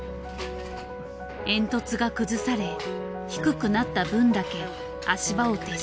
煙突が崩され低くなった分だけ足場を撤収。